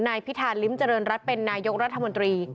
พิธาริมเจริญรัฐเป็นนายกรัฐมนตรี